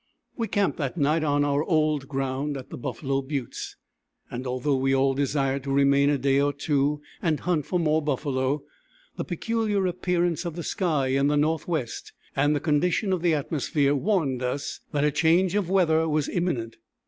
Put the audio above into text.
We camped that night on our old ground at the Buffalo Buttes, and although we all desired to remain a day or two and hunt for more buffalo, the peculiar appearance of the sky in the northwest, and the condition of the atmosphere, warned us that a change of weather was imminent.